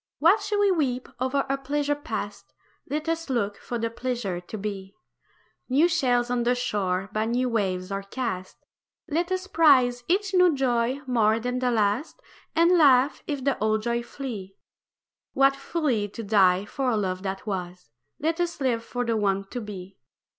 Why should we weep o'er a pleasure past Let us look for the pleasure to be. New shells on the shore by new waves are cast; Let us prize each new joy more than the last, And laugh if the old joy flee. What folly to die for a love that was Let us live for the one to be.